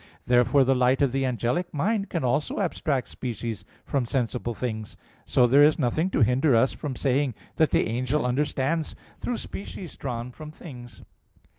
Therefore the light of the angelic mind can also abstract species from sensible things. So there is nothing to hinder us from saying that the angel understands through species drawn from things.